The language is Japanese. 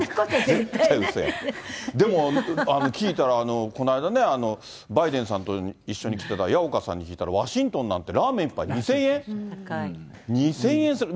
でも、聞いたら、この間、バイデンさんと一緒に来てたやおかさんに聞いたらワシントンなんてラーメン１杯２０００円、２０００円する。